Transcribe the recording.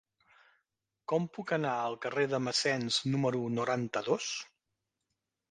Com puc anar al carrer de Massens número noranta-dos?